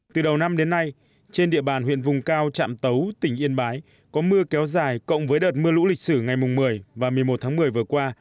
từ đầu năm đến nay trên địa bàn huyện vùng cao trạm tấu tỉnh yên bái có mưa kéo dài cộng với đợt mưa lũ lịch sử ngày một mươi và một mươi một tháng một mươi vừa qua